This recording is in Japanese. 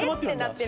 って